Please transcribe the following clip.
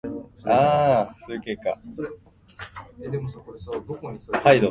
半月状のビルも、かつてのランドマークタワーも、ピンク色にライトアップされた観覧車も